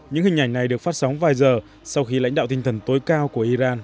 những hình ảnh này được phát sóng vài giờ sau khi lãnh đạo tinh thần tối cao của iran